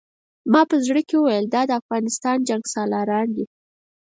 ما په زړه کې ویل دا د افغانستان جنګسالاران دي.